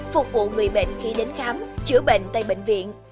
phục vụ người bệnh khi đến khám chữa bệnh tại bệnh viện